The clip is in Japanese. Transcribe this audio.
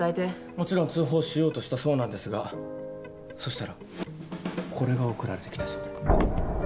もちろん通報しようとしたそうなんですがそしたらこれが送られてきたそうで。